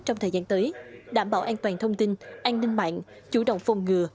trong thời gian tới đảm bảo an toàn thông tin an ninh mạng chủ động phòng ngừa